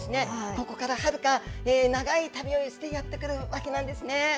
ここからはるか長い旅をしてやってくるわけなんです。